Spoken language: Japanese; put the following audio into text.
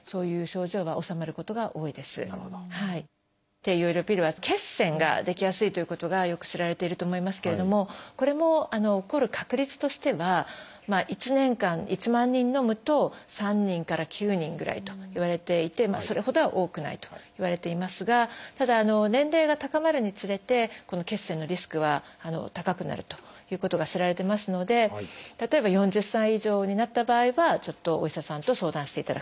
低用量ピルは血栓が出来やすいということがよく知られていると思いますけれどもこれも起こる確率としては１年間１万人のむと３人から９人ぐらいといわれていてそれほどは多くないといわれていますがただ年齢が高まるにつれてこの血栓のリスクは高くなるということが知られてますので例えば４０歳以上になった場合はちょっとお医者さんと相談していただくと。